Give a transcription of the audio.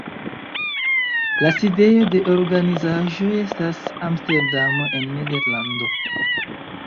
La sidejo de organizaĵo estas en Amsterdamo en Nederlando.